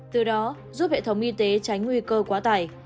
từ đó giúp hệ thống y tế tránh nguy cơ quá tải